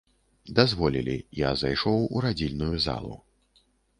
Дазволілі, я зайшоў у радзільную залу.